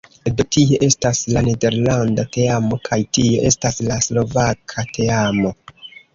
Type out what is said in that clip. Do tie estas la nederlanda teamo kaj tie estas la slovaka teamo